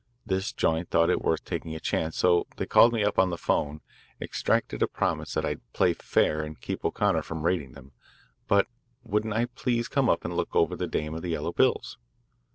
This joint thought it worth taking a chance, so they called me up on the 'phone, extracted a promise that I'd play fair and keep O'Connor from raiding them, but wouldn't I please come up and look over the dame of the yellow bills?